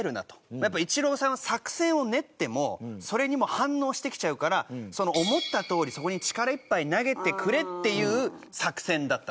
やっぱイチローさんは作戦を練ってもそれにもう反応してきちゃうから思ったとおりそこに力いっぱい投げてくれっていう作戦だったと。